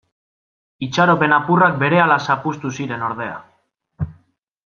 Itxaropen apurrak berehala zapuztu ziren ordea.